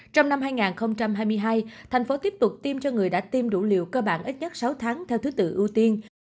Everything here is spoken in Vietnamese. trong năm hai nghìn hai mươi hai thành phố tiếp tục tiêm cho người đã tiêm đủ liều cơ bản ít nhất sáu tháng theo thứ tự ưu tiên